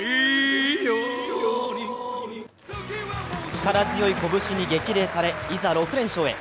力強いこぶしに激励され、いざ６連勝へ。